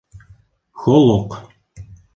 Холоҡ